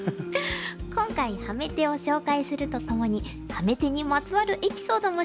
今回ハメ手を紹介するとともにハメ手にまつわるエピソードも紹介します。